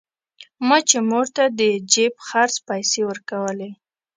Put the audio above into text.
ما چې مور ته د جيب خرڅ پيسې ورکولې.